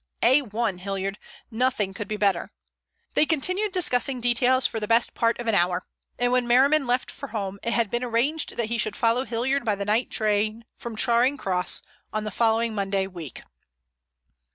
"A1, Hilliard. Nothing could be better." They continued discussing details for the best part of an hour, and when Merriman left for home it had been arranged that he should follow Hilliard by the night train from Charing Cross on the following Monday week.